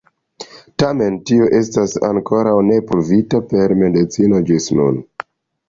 Tamen tio estas ankoraŭ ne pruvita per medicino ĝis nun.